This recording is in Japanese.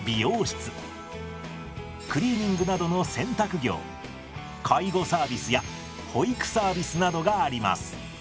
クリーニングなどの洗濯業介護サービスや保育サービスなどがあります。